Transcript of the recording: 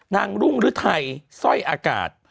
รุ่งฤทัยสร้อยอากาศ